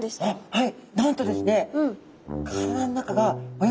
はい。